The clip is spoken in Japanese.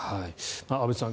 安部さん